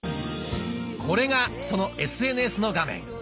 これがそのＳＮＳの画面。